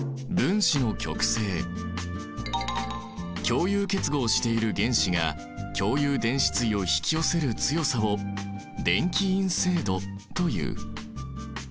共有結合している原子が共有電子対を引き寄せる強さを電気陰性度という。